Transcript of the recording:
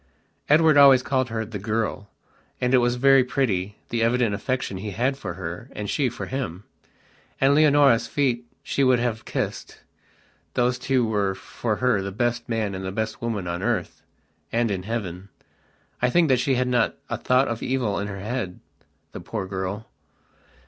Edward always called her "the girl", and it was very pretty, the evident affection he had for her and she for him. And Leonora's feet she would have kissedthose two were for her the best man and the best woman on earthand in heaven. I think that she had not a thought of evil in her headthe poor girl....